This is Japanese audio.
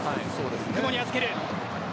久保に預ける。